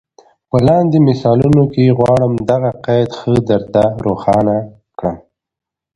په لاندي مثالونو کي غواړم دغه قید ښه در ته روښان کړم.